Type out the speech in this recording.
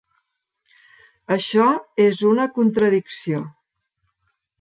Això és una contradicció.